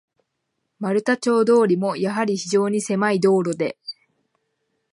丸太町通も、やはり非常にせまい道路で、